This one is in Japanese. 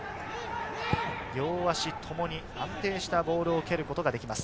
両足ともに安定したボールを蹴ることができます。